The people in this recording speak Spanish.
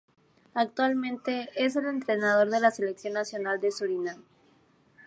Actualmente es el entrenador se la selección nacional de Surinam.